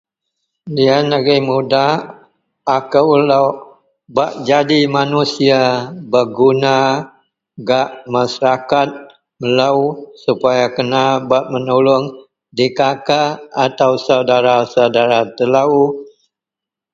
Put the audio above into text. liyan agei mudak akou lok bak jadi manusia berguna gak Masyarakat melou supaya kena bak menulung dikak atau saudara-saudara telou